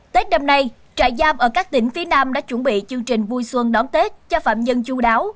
tết năm nay trại giam ở các tỉnh phía nam đã chuẩn bị chương trình vui xuân đón tết cho phạm nhân chú đáo